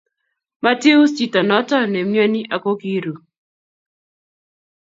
mati us chito noto ne imyoni aku kiruu